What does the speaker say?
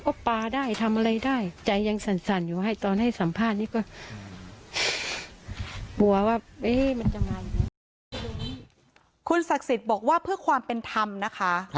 คุณศักดิ์สิทธิ์บอกว่าเพื่อความเป็นธรรมนะคะ